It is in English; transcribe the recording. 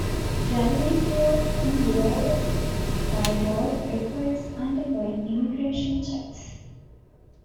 Travelling to or from Lawas by road requires undergoing immigration checks.